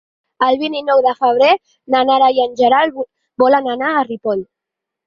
El vint-i-nou de febrer na Nara i en Gerard volen anar a Ripoll.